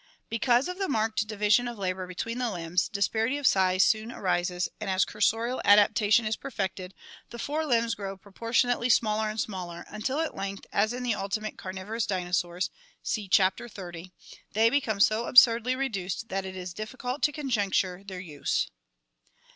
Because of the marked division of labor between the limbs, disparity of size soon arises and, as cur sorial adaptation is perfected, the fore limbs grow proportionately smaller and smaller until at length, as in the ultimate carnivorous dinosaurs (see Chapter XXX, Fig. 154), they become so absurdly reduced that it is difficult to conjecture their use.